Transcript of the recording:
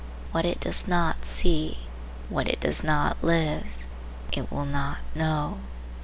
What it does not see, what it does not live, it will not know.